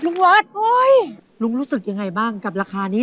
บอกว่าโอ้โห้ยถ้าคุณภาพทางใจแล้วมันน้อยเหลือเกิน